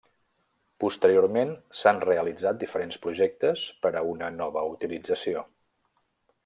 Posteriorment s'han realitzat diferents projectes per a una nova utilització.